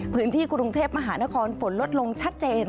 พื้นที่กรุงเทพมหานครฝนลดลงชัดเจน